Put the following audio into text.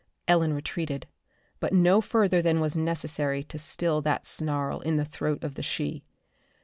Ellen retreated, but no further than was necessary to still that snarl in the throat of the she.